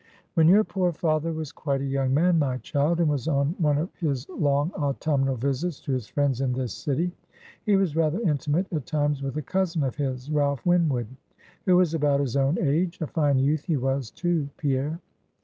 "When your poor father was quite a young man, my child, and was on one of his long autumnal visits to his friends in this city, he was rather intimate at times with a cousin of his, Ralph Winwood, who was about his own age, a fine youth he was, too, Pierre."